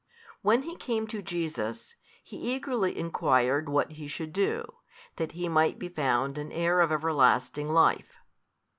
When he came to Jesus, he eagerly enquired what he should do, that he might be found an heir of everlasting life.